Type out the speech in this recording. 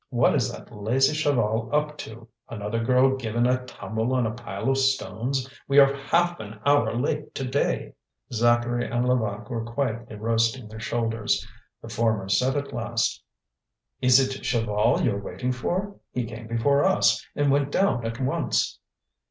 "What is that lazy Chaval up to? Another girl given a tumble on a pile of stones? We are half an hour late to day." Zacharie and Levaque were quietly roasting their shoulders. The former said at last: "Is it Chaval you're waiting for? He came before us, and went down at once."